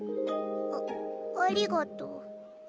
あありがとう。